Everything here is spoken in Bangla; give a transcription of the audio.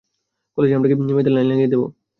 কলেজে কি আমরা মেয়েদের লাইন লাগিয়ে দেবো?